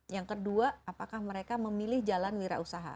yang kedua apakah mereka memilih jalan wirausaha